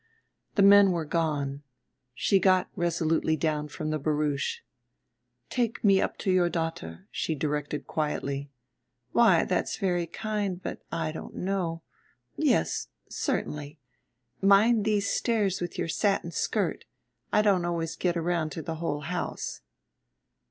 The men were gone. ... She got resolutely down from the barouche. "Take me up to your daughter," she directed quietly. "Why, that's very kind, but I don't know Yes, certainly. Mind these stairs with your satin skirt; I don't always get around to the whole house."